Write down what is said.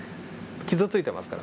傷ついてますから。